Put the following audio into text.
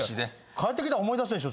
帰ってきたら思い出すでしょ。